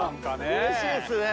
うれしいですね。